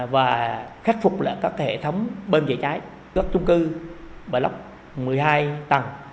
và khắc phục các hệ thống bơm chạy cháy các chung cư một mươi hai tầng